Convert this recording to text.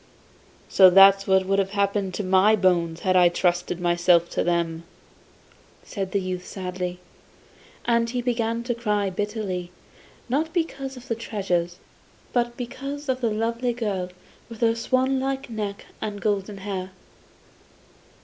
'So that's what would have happened to my bones had I trusted myself to them,' said the youth sadly; and he began to cry bitterly, not because of the treasures, but because of the lovely girl with her swanlike neck and golden hair.